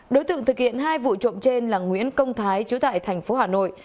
đối tượng thực hiện hai vụ trộm trên là nguyễn công thái trú tại thành phố hà nội